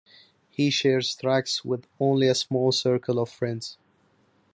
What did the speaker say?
He shares tracks with only a small circle of friends.